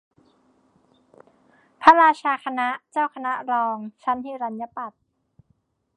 พระราชาคณะ เจ้าคณะรอง ชั้นหิรัณยปัฏ